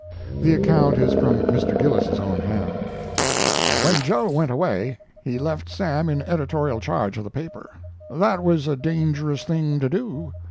The account is from Mr. Gillis's own hand: When Joe went away, he left Sam in editorial charge of the paper. That was a dangerous thing to do.